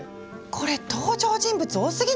これ登場人物多すぎない？